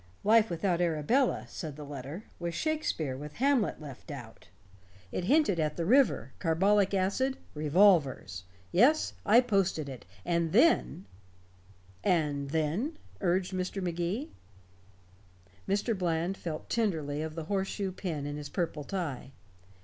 Life without Arabella, said the letter, was Shakespeare with Hamlet left out. It hinted at the river, carbolic acid, revolvers. Yes, I posted it. And then " "And then," urged Mr. Magee. Mr. Bland felt tenderly of the horseshoe pin in his purple tie.